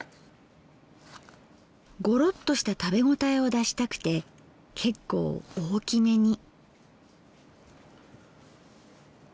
ゴロッとした食べ応えを出したくて結構大きめに。